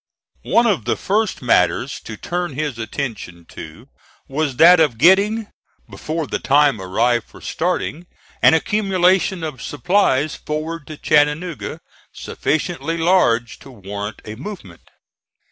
One of the first matters to turn his attention to was that of getting, before the time arrived for starting, an accumulation of supplies forward to Chattanooga, sufficiently large to warrant a movement.